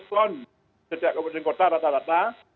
seratus ton setiap kabupaten kota rata rata